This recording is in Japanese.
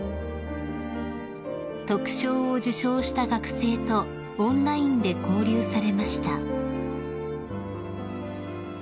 ［特賞を受賞した学生とオンラインで交流されました］